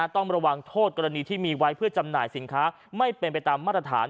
ต้องระวังโทษกรณีที่มีไว้เพื่อจำหน่ายสินค้าไม่เป็นไปตามมาตรฐาน